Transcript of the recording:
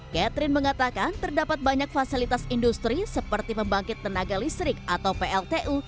catherine mengatakan terdapat banyak fasilitas industri seperti pembangkit tenaga listrik atau pltu